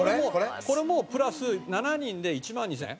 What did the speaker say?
これもプラス７人で１万２０００円。